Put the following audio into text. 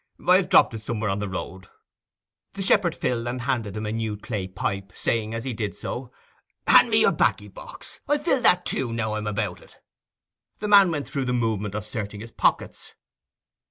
'I have dropped it somewhere on the road.' The shepherd filled and handed him a new clay pipe, saying, as he did so, 'Hand me your baccy box—I'll fill that too, now I am about it.' The man went through the movement of searching his pockets.